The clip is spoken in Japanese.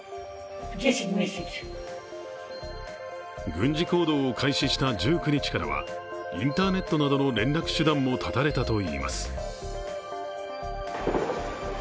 軍事行動を開始した１９日からはインターネットなどの連絡手段も絶たれたといいます。